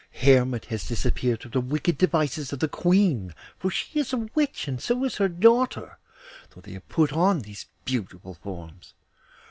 Hermod has disappeared through the wicked devices of the Queen, for she is a witch, and so is her daughter, though they have put on these beautiful forms.